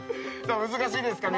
難しいですか？